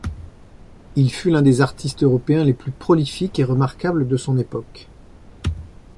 Il fut l'un des artistes européens les plus prolifiques et remarquables de son époque.